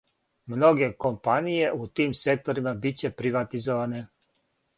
Многе компаније у тим секторима биће приватизоване.